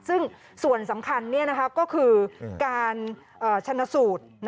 ซึ่งส่วนสำคัญก็คือการชนะสูตร